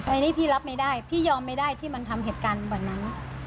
อันนี้พี่รับไม่ได้พี่ยอมไม่ได้ที่มันทำเหตุการณ์วันนั้น